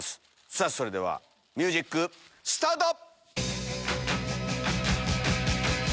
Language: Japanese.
さぁそれではミュージックスタート！